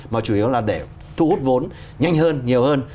mà chủ yếu là để thu hút vốn nhanh hơn nhiều hơn